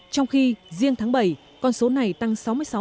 trong khi riêng tháng bảy con số này tăng sáu mươi sáu